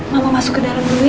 mama masuk ke dalam dulu ya